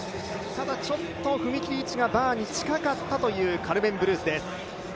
ただ踏み切り位置が近かったというカルメン・ブルースです。